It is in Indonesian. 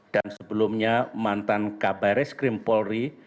dan sebelumnya mantan kabare skrimpolri